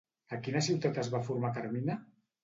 A quina ciutat es va formar Carmina?